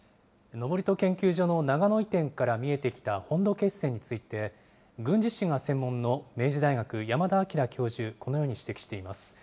登戸研究所の長野移転から見えてきた本土決戦について、軍事史が専門の明治大学、山田朗教授、このように指摘しています。